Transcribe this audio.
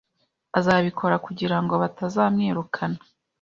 Azabikora kugira ngo batazamwirukana.